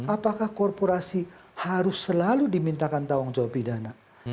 apakah korporasi harus selalu dimintakan tanggung jawab pidana